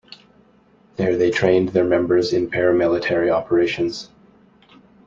There they trained their members in paramilitary operations.